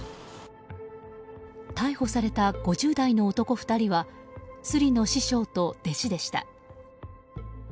逮捕された５０代の男２人はスリの師匠と弟子でした。